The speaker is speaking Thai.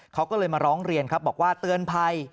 เขาก็เลยมาร้องเรียนครับบอกว่าเตือนภัย